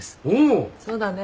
そうだね。